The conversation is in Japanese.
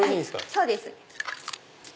そうです。